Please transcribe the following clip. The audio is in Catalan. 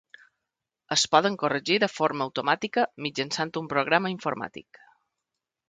Es poden corregir de forma automàtica mitjançant un programa informàtic.